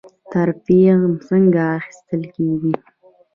ترفیع څنګه اخیستل کیږي؟